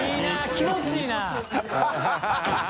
気持ちいいな。